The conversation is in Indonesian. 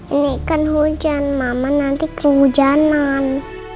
ini kan hujan mama nanti kehujanan